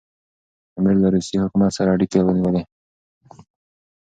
امیر له روسي حکومت سره اړیکي ونیولې.